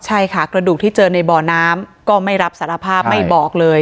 ใช่ค่ะกระดูกที่เจอในบ่อน้ำก็ไม่รับสารภาพไม่บอกเลย